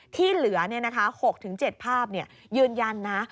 ที่เหลือ๖๗ภาพยืนยันนะ